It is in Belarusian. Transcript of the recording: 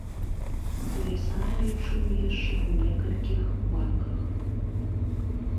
Тое самае чую яшчэ ў некалькіх банках.